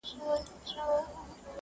ټولنې ته د لوبو له لارې مثبت تغییر راځي.